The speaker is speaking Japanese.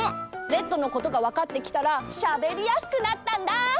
レッドのことがわかってきたらしゃべりやすくなったんだ！